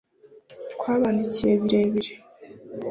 Twabandikiye birebire